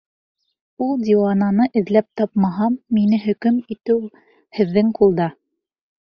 Ул диуананы эҙләп тапмаһам, мине хөкөм итеү һеҙҙең ҡулда.